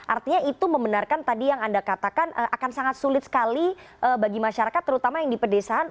artinya itu membenarkan tadi yang anda katakan akan sangat sulit sekali bagi masyarakat terutama yang di pedesaan